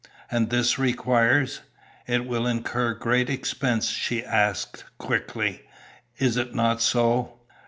"And this requires it will incur great expense?" she asked, quickly. "Is it not so?"